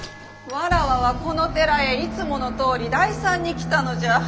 わらわはこの寺へいつものとおり代参に来たのじゃ。